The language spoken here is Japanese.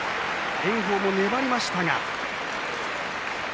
炎鵬も粘りました。